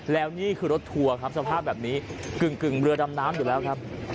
แล้วนี่คือรถทัวร์ครับสภาพแบบนี้กึ่งเรือดำน้ำอยู่แล้วครับ